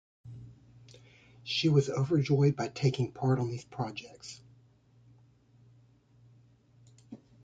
She was overjoyed by taking part on these projects.